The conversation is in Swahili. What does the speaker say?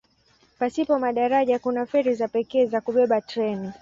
Pasipo madaraja kuna feri za pekee za kubeba treni.